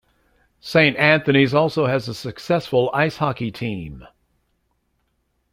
Saint Anthony's also has a successful ice hockey team.